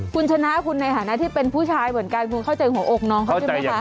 คุณชนะคุณในฐานะที่เป็นผู้ชายเหมือนกันคุณเข้าใจหัวอกน้องเขาใช่ไหมคะ